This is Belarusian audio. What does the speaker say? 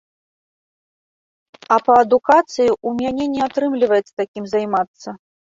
А па адукацыі ў мяне не атрымліваецца такім займацца.